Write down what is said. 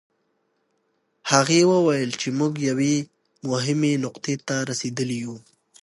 هغې وویل چې موږ یوې مهمې نقطې ته رسېدلي یوو.